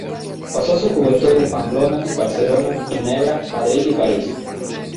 Pasó su juventud en Pamplona, Barcelona, Ginebra, Madrid y París.